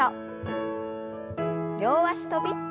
両脚跳び。